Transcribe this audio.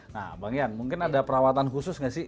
nah bang ian mungkin ada perawatan khusus nggak sih